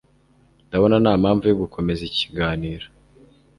ndabona ntampamvu yo gukomeza iki kiganiro